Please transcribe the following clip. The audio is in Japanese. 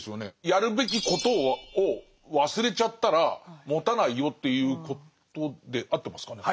やるべきことを忘れちゃったらもたないよっていうことで合ってますかね？